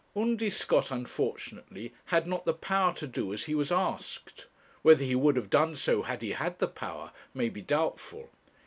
Undy Scott unfortunately had not the power to do as he was asked. Whether he would have done so, had he had the power, may be doubtful.